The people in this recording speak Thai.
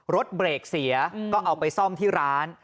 รถเบรกเสียก็เอาไปซ่อมที่ร้าน